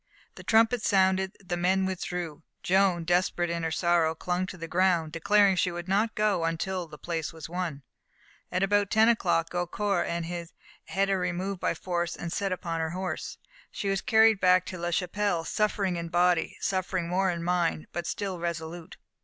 The trumpets sounded; the men withdrew, Joan, desperate in her sorrow, clung to the ground, declaring she would not go until the place was won. At about ten o'clock Gaucourt had her removed by force and set upon her horse. She was carried back to La Chapelle, suffering in body, suffering more in mind, but still resolute.